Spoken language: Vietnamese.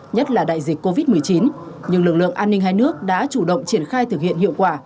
nhất là đại dịch covid một mươi chín nhưng lực lượng an ninh hai nước đã chủ động triển khai thực hiện hiệu quả